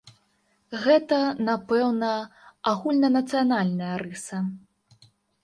Гэта, напэўна, агульнанацыянальная рыса.